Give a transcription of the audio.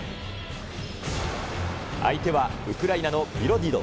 相手はウクライナのビロディド。